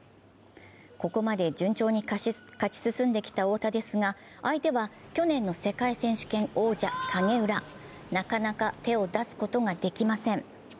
ここまで順調に勝ち進んできた太田ですが相手は去年の世界選手権王者・影浦なかなか手を出すことができません。